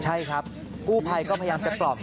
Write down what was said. ใช่ครับกู้ภัยก็พยายามจะปลอบ